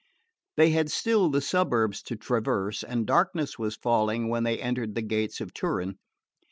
They had still the suburbs to traverse; and darkness was falling when they entered the gates of Turin.